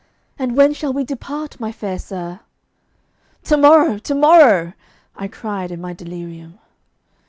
And when shall we depart, my fair sir?' 'To morrow! To morrow!' I cried in my delirium.